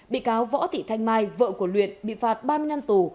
bị cáo võ thị thanh mai vợ của luyện bị phạt ba mươi năm tù